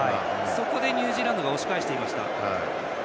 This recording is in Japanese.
そこでニュージーランドが押し返しました。